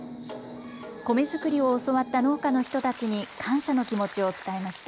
米作りを教わった農家の人たちに感謝の気持ちを伝えました。